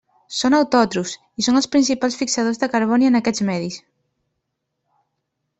Són autòtrofs, i són els principals fixadors de carboni en aquests medis.